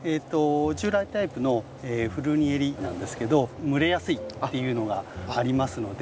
従来タイプのフルニエリなんですけど蒸れやすいっていうのがありますので。